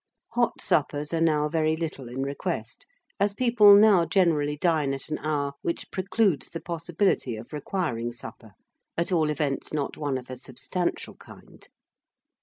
Hot suppers are now very little in request, as people now generally dine at an hour which precludes the possibility of requiring supper; at all events, not one of a substantial kind.